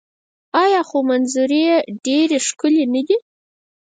آیا خو منظرې یې ډیرې ښکلې نه دي؟